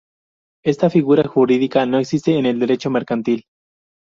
Esta figura jurídica no existe en el Derecho mercantil.